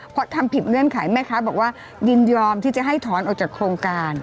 เพราะทำผิดเงื่อนไขแม่ค้าบอกว่ายินยอมที่จะให้ถอนออกจากโครงการ